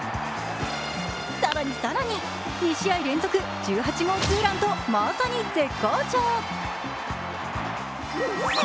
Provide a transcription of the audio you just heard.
更に更に２試合連続、１８号ツーランとまさに絶好調。